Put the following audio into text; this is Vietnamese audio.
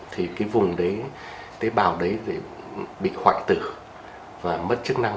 thì cái vùng tế bào đấy bị hoạn tử và mất chức năng